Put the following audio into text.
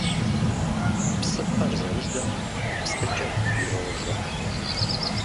Псыпэр зэрыжэм псыкӀэр ирожэ.